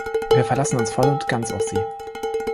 Wir verlassen uns voll und ganz auf Sie.